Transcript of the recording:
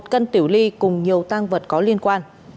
một cân tiểu ly cùng nhiều tăng vật có liên quan